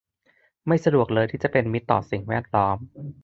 ไม่สะดวกเลยที่จะเป็นมิตรต่อสิ่งแวดล้อม